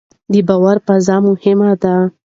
د باور فضا مهمه ده